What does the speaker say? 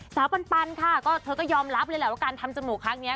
ปันค่ะก็เธอก็ยอมรับเลยแหละว่าการทำจมูกครั้งนี้